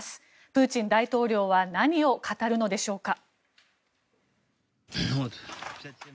プーチン大統領は何を語るのでしょうか。